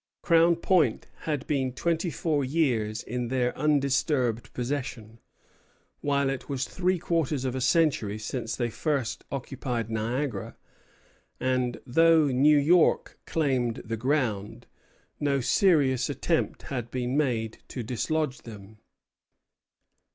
Crown Point had been twenty four years in their undisturbed possession, while it was three quarters of a century since they first occupied Niagara; and, though New York claimed the ground, no serious attempt had been made to dislodge them.